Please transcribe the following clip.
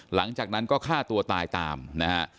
หลังจากนั้นก็ฆ่าตัวตายตามนะฮะ